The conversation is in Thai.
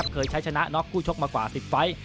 เคยใช้ชนะน็อกคู่ชกมากว่า๑๐ไฟล์